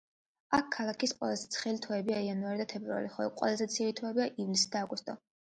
ქალაქის ყველაზე ცხელი თვეებია იანვარი და თებერვალი, ხოლო ყველაზე ცივი თვეებია ივლისი და აგვისტო.